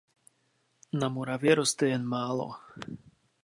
Na Moravě roste jen málo.